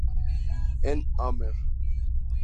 N.- Amer.